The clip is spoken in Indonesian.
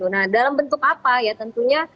nah dalam bentuk apa ya tentunya